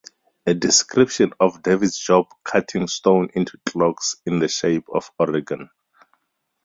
A description of David's job cutting stone into clocks in the shape of Oregon.